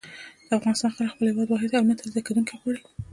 د افغانستان خلک خپل هېواد واحد او نه تجزيه کېدونکی غواړي.